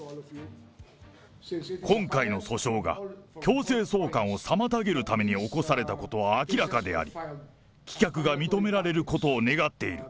今回の訴訟が、強制送還を妨げるために起こされたことは明らかであり、棄却が認められることを願っている。